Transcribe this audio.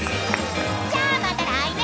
［じゃあまた来年。